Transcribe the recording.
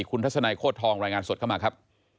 คุณทัศนัยโคตรทองรายงานสดเข้ามาครับ